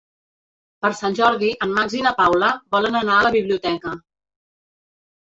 Per Sant Jordi en Max i na Paula volen anar a la biblioteca.